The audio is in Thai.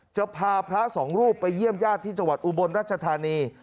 จะพาพระสองรูปไปเยี่ยมญาติที่จังหวัดอุบลรัชธานี